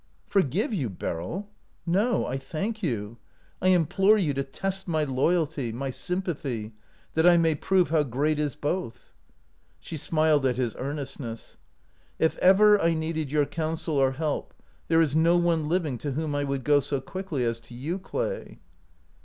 " Forgive you, Beryl! No ; I thank you. I implore you to test my loyalty, my sympa thy, that I may prove how great is both." She smiled at his earnestness. "If ever I need your counsel or help, there is no one living to whom I would go so quickly as to you, Clay."